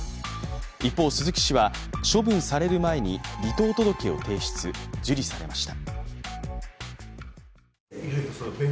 一方、鈴木氏は処分される前に離党届を提出、受理されました。